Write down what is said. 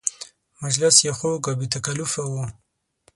مجلس یې خوږ او بې تکلفه و.